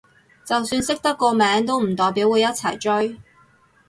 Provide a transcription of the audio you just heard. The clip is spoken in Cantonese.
就算識得個名都唔代表會一齊追